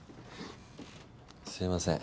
すいません